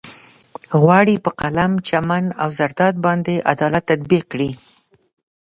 غواړي په قلم، چمن او زرداد باندې عدالت تطبيق کړي.